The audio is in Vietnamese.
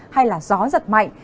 hay là gió giật mạnh